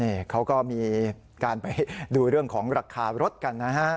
นี่เขาก็มีการไปดูเรื่องของราคารถกันนะฮะ